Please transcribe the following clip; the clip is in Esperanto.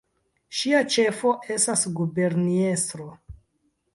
Sia ĉefo estas guberniestro.